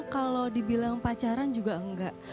kalau dibilang pacaran juga enggak